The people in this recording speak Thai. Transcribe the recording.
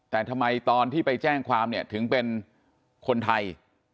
แต่ทำไมตอนที่ไปแจ้งความเนี่ยถึงเป็นคนไทย